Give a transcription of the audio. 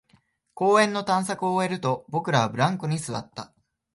公園の探索を終えると、僕らはブランコに座った